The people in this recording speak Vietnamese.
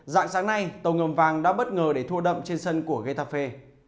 dạng sáng nay tàu ngầm vàng đã bất ngờ để thua đậm trên sân của getafe